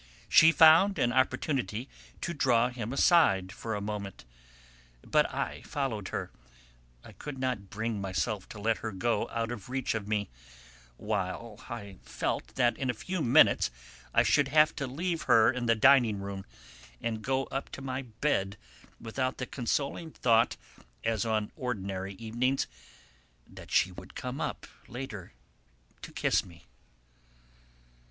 She found an opportunity to draw him aside for a moment. But I followed her: I could not bring myself to let her go out of reach of me while I felt that in a few minutes I should have to leave her in the dining room and go up to my bed without the consoling thought, as on ordinary evenings, that she would come up, later, to kiss me.